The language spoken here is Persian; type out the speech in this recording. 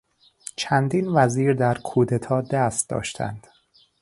چندین وزیر در کودتا دست داشتند.